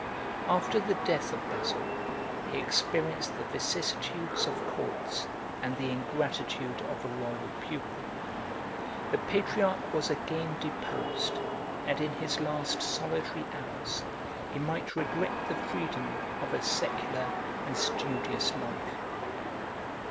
After the death of Basil he experienced the vicissitudes of courts and the ingratitude of a royal pupil: the patriarch was again deposed, and in his last solitary hours he might regret the freedom of a secular and studious life.